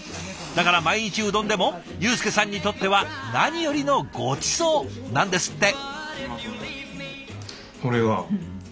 だから毎日うどんでも祐扶さんにとっては何よりのごちそうなんですって。